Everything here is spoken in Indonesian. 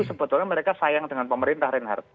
sebetulnya mereka sayang dengan pemerintah reinhardt